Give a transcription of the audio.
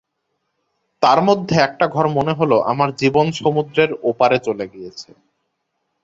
তার মধ্যে একটা ঘর মনে হল আমার জীবন-সমুদ্রের ও পারে চলে গিয়েছে।